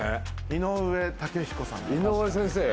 井上雄彦さん。